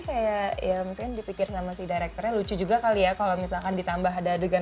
kayak ya mungkin dipikir sama si directornya lucu juga kali ya kalau misalkan ditambah ada adegan